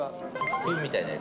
ふみたいなやつ。